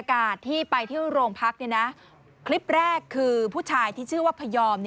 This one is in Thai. คลิปแรกคือผู้ชายที่ชื่อพยอม